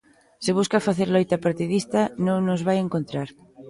Se busca facer loita partidista non nos vai encontrar.